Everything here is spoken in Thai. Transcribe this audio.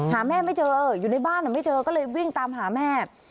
หาแม่ไม่เจออยู่ในบ้านไม่เจอก็เลยวิ่งตามหาแม่